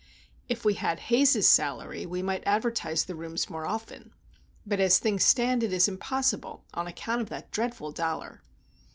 If we had Haze's salary, we might advertise the rooms more often;—but, as things stand, it is impossible, on account of that dreadful dollar.